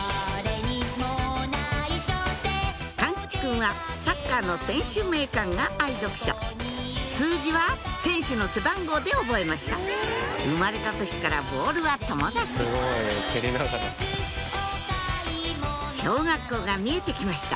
貫吉くんはサッカーの選手名鑑が愛読書数字は選手の背番号で覚えました生まれた時からボールは友達小学校が見えて来ました